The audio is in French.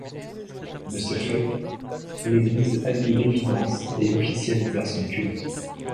De ce fait, l'Église admit l'évidence et officialisa son culte.